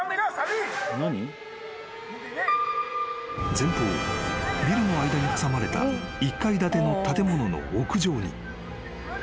［前方ビルの間に挟まれた１階建ての建物の屋上に］